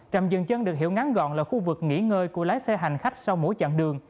trạm dường chân được hiểu ngắn gọn là khu vực nghỉ ngơi của lái xe hành khách so sánh